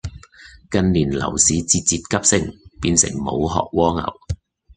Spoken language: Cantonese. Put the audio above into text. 近年樓市節節急升，變成無殼蝸牛